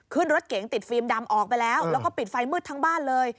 ขึ้นรถเก๋งติดฟิล์มดำออกไปแล้วแล้วก็ปิดไฟมืดทั้งบ้านเลย